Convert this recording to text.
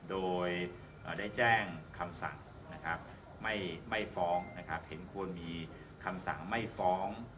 โดยได้แจ้งคำสั่งนะครับไม่ฟ้องนะครับเห็นควรมีคำสั่งไม่ฟ้อง